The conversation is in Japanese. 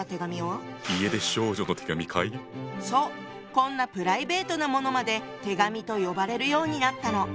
こんなプライベートなものまで「手紙」と呼ばれるようになったの。